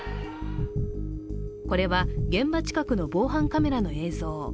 これは現場近くの防犯カメラの映像。